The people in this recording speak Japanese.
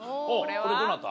これどなた？